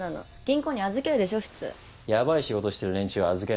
ヤバい仕事してる連中は預けない。